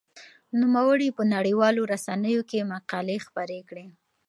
نوموړي په نړيوالو رسنيو کې مقالې خپرې کړې.